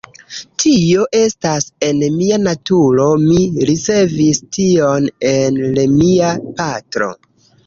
Tio estas en mia naturo, mi ricevis tion el mia patro.